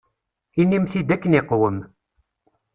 Inim-t-id akken iqwem.